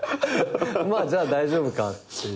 まあじゃあ大丈夫かっていう。